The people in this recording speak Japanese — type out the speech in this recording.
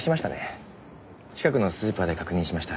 近くのスーパーで確認しました。